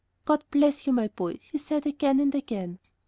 "God bless you, my boy," he said again, and again.